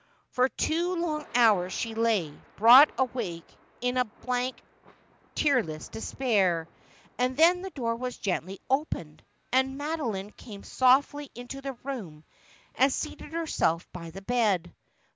For two long hours she lay, broad awake, in a blank tear less despair ; and then the door was gently opened, and Mado line came softly into the room and seated herself by the bed.